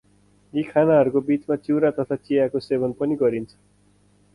यी खानाहरूको बीचमा चिउरा तथा चियाको सेवन पनि गरिन्छ।